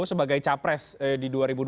sebagai capres di dua ribu dua puluh